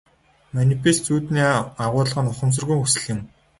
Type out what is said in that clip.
Манифест зүүдний агуулга нь ухамсаргүйн хүсэл юм.